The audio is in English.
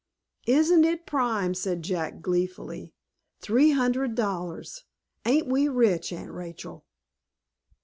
"Isn't it prime?" said Jack, gleefully; "three hundred dollars! Ain't we rich, Aunt Rachel?"